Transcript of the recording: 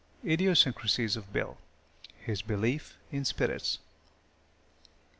IDIOSYNCRACIES OF BILL HIS BELIEF IN SPIRITS.